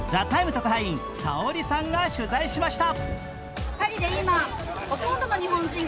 特派員Ｓａｏｒｉさんが取材しました。